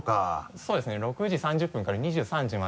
そうですね６時３０分から２３時まで。